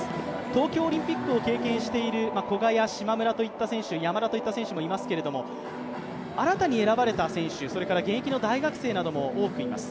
東京オリンピックを経験している古賀や島村、山田といった選手もいますけれども、新たに選ばれた選手、現役の大学生なども多くいます。